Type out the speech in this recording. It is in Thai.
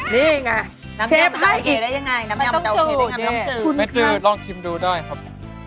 มาเซฟชิมของเราก่อนมาเซฟของเราก่อน